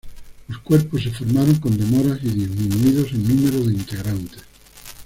Los cuerpos se formaron con demoras y disminuidos en número de integrantes.